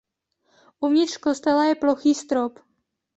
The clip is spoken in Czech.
Uvnitř kostela je plochý strop.